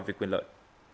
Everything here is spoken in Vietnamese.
về quyền lợi